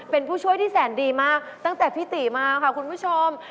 เป็นผู้ช่วยที่แสนดีมากตั้งแต่พี่ตีมาค่ะคุณผู้ชม